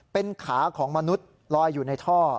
เป็นขาของมนุษย์ลอยอยู่ในท่อ